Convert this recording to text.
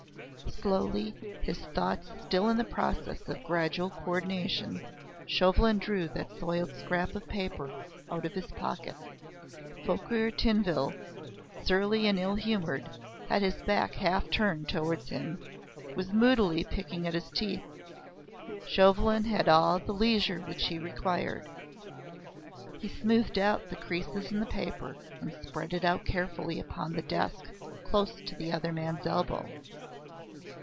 Slowly, his thoughts still in the process of gradual coordination, Chauvelin drew that soiled scrap of paper out of his pocket. Fouquier Tinville, surly and ill humoured, had his back half turned towards him, was moodily picking at his teeth. Chauvelin had all the leisure which he required. He smoothed out the creases in the paper and spread it out carefully upon the desk close to the other man's elbow.